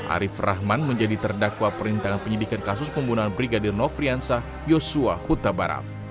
arief rahman menjadi terdakwa perintangan penyidikan kasus pembunuhan brigadir nofriansah yosua huta barat